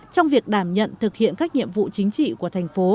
trong việc đảm nhận thực hiện các nhiệm vụ chính trị của thành phố